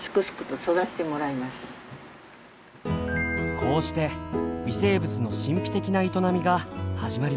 こうして微生物の神秘的な営みが始まります。